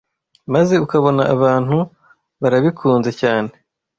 maze ukabona abantu barabikunze cyane